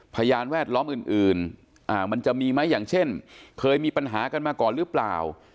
พยานแวดล้อมอื่นมันจะมีไหมอย่างเช่นเคยมีปัญหากันมาก่อนหรือเปล่า